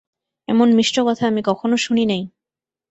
এমন মিষ্ট কথা আমি কখনও শুনি নাই।